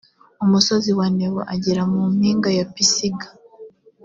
umusozi wa nebo agera mu mpinga ya pisiga